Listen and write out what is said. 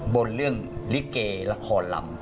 บนเรื่องลิเกละครลำ